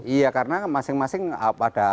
iya karena masing masing pada